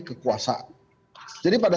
kekuasaan jadi pada